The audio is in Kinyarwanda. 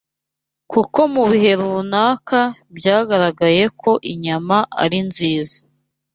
kuko mu bihe runaka byagaragaye ko inyama ari nziza